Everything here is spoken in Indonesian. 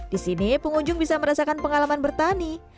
disini pengunjung bisa merasakan pengalaman bertani